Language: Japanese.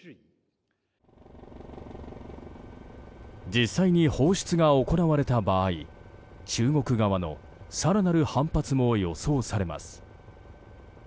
実際に放出が行われた場合中国側の更なる反発も予想されます。